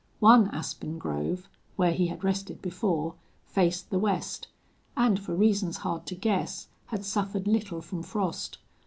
One aspen grove, where he had rested before, faced the west, and, for reasons hard to guess, had suffered little from frost.